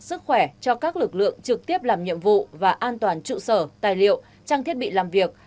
sức khỏe cho các lực lượng trực tiếp làm nhiệm vụ và an toàn trụ sở tài liệu trang thiết bị làm việc